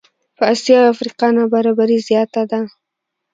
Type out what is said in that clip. په آسیا او افریقا نابرابري زیاته ده.